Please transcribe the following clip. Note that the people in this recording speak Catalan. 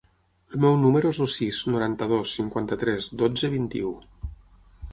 El meu número es el sis, noranta-dos, cinquanta-tres, dotze, vint-i-u.